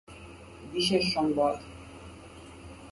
বিশেষ সংবাদ